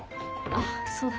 あっそうだ。